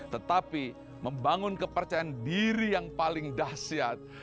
tetapi membangun kepercayaan diri yang paling dahsyat